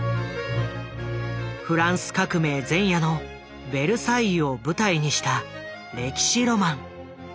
フランス革命前夜のベルサイユを舞台にした歴史ロマン。